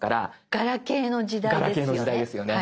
ガラケーの時代ですよね。